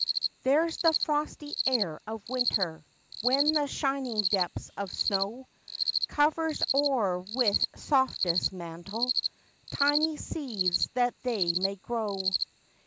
There's the frosty air of winter, When the shining depths of snow Covers o'er with softest mantle, Tiny seeds that they may grow.